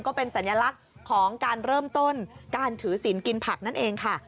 ก็เป็นสัญลักษณ์ของการเริ่มต้นการถือศิลปกินผักนั่นเองค่ะ